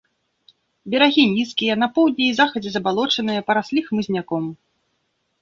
Берагі нізкія, на поўдні і захадзе забалочаныя, параслі хмызняком.